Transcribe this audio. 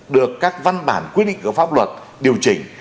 được các văn bản quy định của pháp luật điều chỉnh